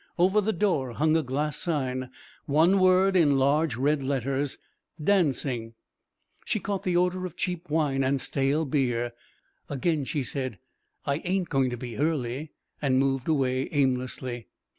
Over the door hung a glass sign, one word in large red letters: "DANCING." She caught the odour of cheap wine and stale beer. Again she said, "I ain't going to be early," and moved away aimlessly.